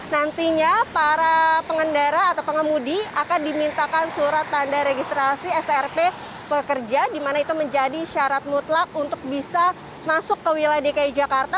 nantinya para pengendara atau pengemudi akan dimintakan surat tanda registrasi strp pekerja di mana itu menjadi syarat mutlak untuk bisa masuk ke wilayah dki jakarta